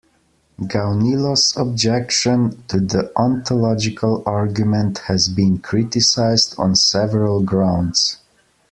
Gaunilo's objection to the ontological argument has been criticised on several grounds.